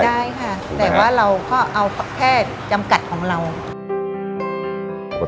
แต่ว่าเราก็เอาแค่จำกัดของเรา